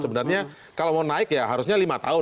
sebenarnya kalau mau naik ya harusnya lima tahun